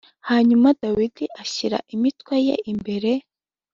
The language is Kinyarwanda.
hanyuma dawidi ashyira imitwe ye imbere.